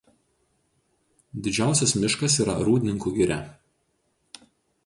Didžiausias miškas yra Rūdninkų giria.